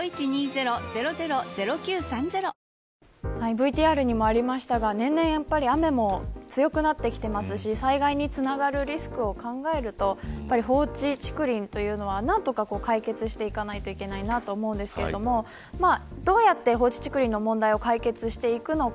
ＶＴＲにもありましたが年々雨も強くなってきていますし災害につながるリスクも考えると放置竹林というのは何とか解決していかないといけないなと思うんですけれどどうやって放置竹林の問題を解決していくのか。